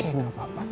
ini juga gak apa apa